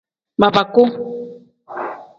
Babaku.